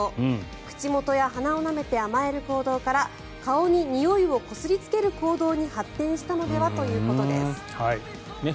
口元や鼻をなめて甘える行動から顔ににおいをこすりつける行動に発展したのではということです。